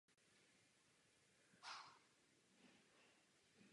Měl napojení na odbojovou vojenskou skupinu v táboře politických vězňů.